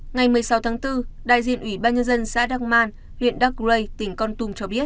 ngày một mươi sáu tháng bốn đại diện ủy ban nhân dân xã đăng man huyện đắc rây tỉnh con tum cho biết